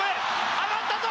上がったぞ！